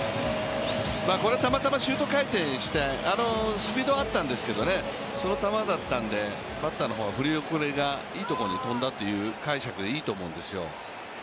たまたまシュート回転してスピードがあったんですけどその球だったんで、バッターの方が振り遅れがいいところに飛んだという解釈でいいと思うんですよ。